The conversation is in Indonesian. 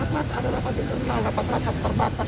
ini setiap rapat ada rapat yang terkenal rapat rapat terbatas